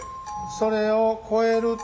それを超えると。